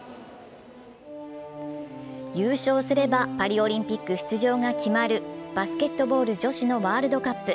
優勝すればパリオリンピック出場が決まるバスケットボール女子のワールドカップ。